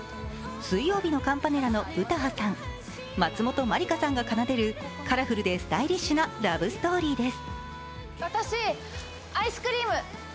水曜日のカンパネラの詩羽さん松本まりかさんが奏でるカラフルでスタイリッシュなラブストーリーです。